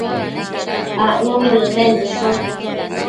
acnu nid Ënden nidshun